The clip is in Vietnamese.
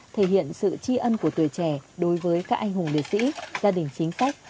thể hiện sự tri ân của tuổi trẻ đối với các anh hùng liệt sĩ gia đình chính sách